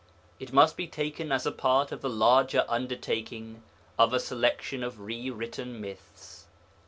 It must be taken as a part of the larger undertaking of a selection of rewritten myths.